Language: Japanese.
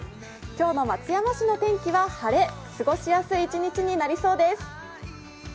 今日の松山市の天気は晴れ、過ごしやすい一日になりそうです。